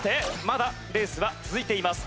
まだレースは続いています。